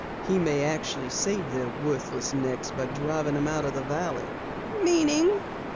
He may actually save their worthless necks by driving them out of the valley." "Meaning?"